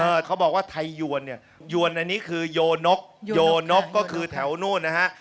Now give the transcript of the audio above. เขาบอกว่าไทยยวนเนี่ยยวนอันนี้คือโยนกโยนกก็คือแถวนู่นนะฮะ